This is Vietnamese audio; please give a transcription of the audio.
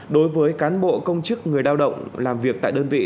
đối với cán bộ công chức người lao động làm việc tại đơn vị